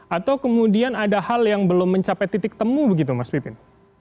atau kemudian ada hal yang belum mencapai titik temu begitu mas pipin